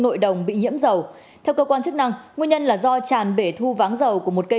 nội đồng bị nhiễm dầu theo cơ quan chức năng nguyên nhân là do tràn bể thu váng dầu của một cây